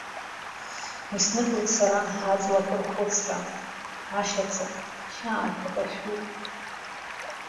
Исныруеит сара аҵлақәа рхәыцра, Ахьаца хьаақәак ашәуп.